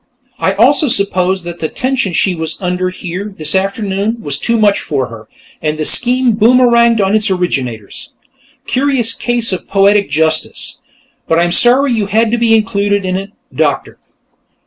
I also suppose that the tension she was under here, this afternoon, was too much for her, and the scheme boomeranged on its originators. Curious case of poetic justice, but I'm sorry you had to be included in it, Doctor."